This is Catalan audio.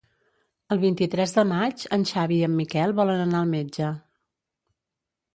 El vint-i-tres de maig en Xavi i en Miquel volen anar al metge.